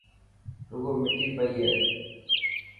روگو مٺي پئي اي.